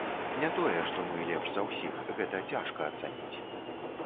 Не тое, што мы лепш за ўсіх, гэта цяжка ацаніць.